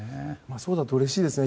そうだとうれしいですね。